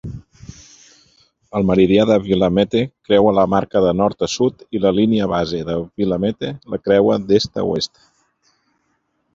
El meridià de Willamette creua la marca de nord a sud i la línia base de Willamette la creua d'est a oest.